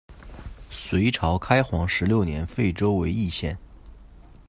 隋朝开皇十六年废州为易县。